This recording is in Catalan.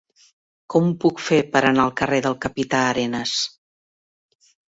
Com ho puc fer per anar al carrer del Capità Arenas?